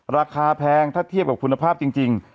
แพงถ้าเทียบกับคุณภาพจริง